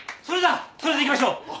それでいきましょう！